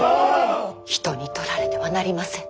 人に取られてはなりません。